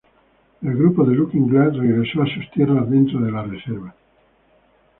El grupo de Looking Glass regresó a sus tierras dentro de la reserva.